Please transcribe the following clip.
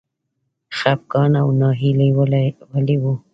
خپګان او ناهیلي ولې و؟